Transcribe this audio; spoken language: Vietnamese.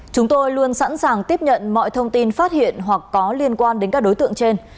chúng tôi luôn sẵn sàng tiếp nhận mọi thông tin phát hiện hoặc có liên quan đến các đối tượng trên